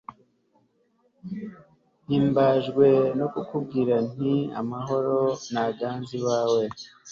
mpimbajwe no kukubwira nti amahoro naganze iwawe